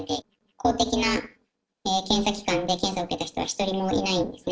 公的な検査機関で検査を受けた人は一人もいないんですね。